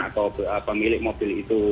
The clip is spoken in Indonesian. atau pemilik mobil itu